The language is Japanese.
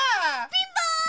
ピンポーン！